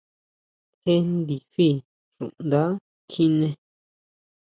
Jé ndifi xunda kjiné.